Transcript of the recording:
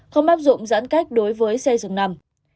không áp dụng giãn cách đối với xe dừng nằm